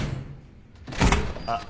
あっ。